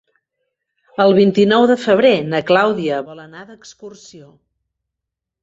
El vint-i-nou de febrer na Clàudia vol anar d'excursió.